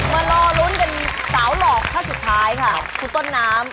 มารอลุ้นกันสาวหลอกท่านสุดท้ายค่ะคุณต้นน้ำ